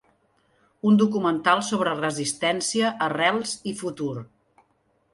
Un documental sobre resistència, arrels i futur.